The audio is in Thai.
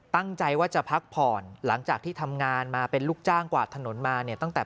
ตั้งใจว่าจะพักผ่อนหลังจากที่ทำงานมาเป็นลูกจ้างกวาดถนนมาเนี่ยตั้งแต่